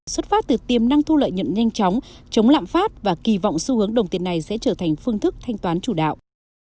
xuất phát từ tiềm năng thu lợi nhận nhanh chóng chống lạm phát và kỳ vọng xu hướng đồng tiền này sẽ trở thành phương thức thanh toán chủ đạo